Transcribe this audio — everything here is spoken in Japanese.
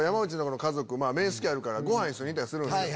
この家族面識あるからごはん一緒に行ったりするんすよ。